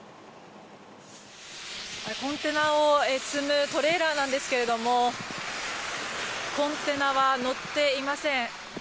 コンテナを積むトレーラーなんですけどもコンテナは載っていません。